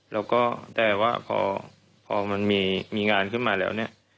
แล้วก็แต่ว่าพอมันมีงานขึ้นมาแล้วเนี่ย